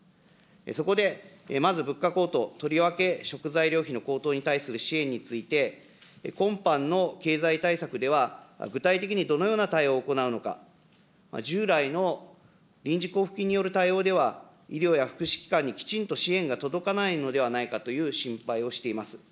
そこで、まず物価高騰、とりわけ食材料費の高騰に対する支援について、今般の経済対策では、具体的にどのような対応を行うのか、従来の臨時交付金による対応では、医療や福祉機関にきちんと支援が届かないのではないかという心配をしています。